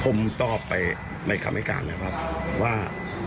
ผมตอบไปในคำให้การแล้วครับว่า